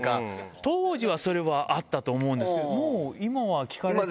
当時はそれはあったと思うんですけど、もう、今は聞かれても。